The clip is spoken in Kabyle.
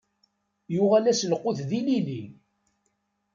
Yuɣal-as lqut d ilili.